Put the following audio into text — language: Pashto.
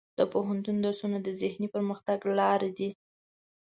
د پوهنتون درسونه د ذهني پرمختګ لپاره دي.